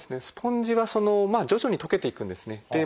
スポンジは徐々に溶けていくんですね。